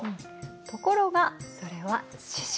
ところがそれは獅子。